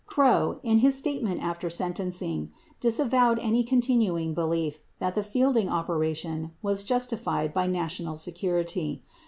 86 Krogh, in his statement after sentencing, disavowed any continuing belief that the Fielding operation was justified by national security.